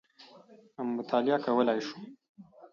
مطالعه کولای شو.